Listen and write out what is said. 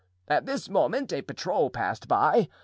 At this moment a patrol passed by.